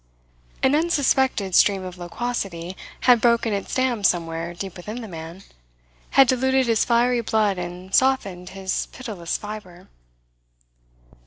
An unsuspected stream of loquacity had broken its dam somewhere deep within the man, had diluted his fiery blood and softened his pitiless fibre.